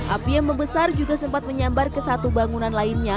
api yang membesar juga sempat menyambar ke satu bangunan lainnya